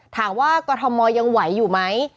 ถามว่ากรทมยังไหวอยู่ไหม